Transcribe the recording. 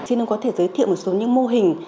xin ông có thể giới thiệu một số những mô hình